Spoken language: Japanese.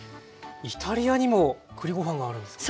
イタリアにも栗ご飯があるんですか？